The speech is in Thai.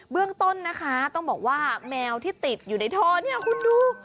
เรื่องต้นนะคะต้องบอกว่าแมวที่ติดอยู่ในท่อเนี่ยคุณดู